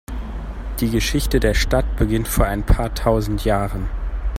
Die Geschichte der Stadt beginnt vor ein paar tausend Jahren.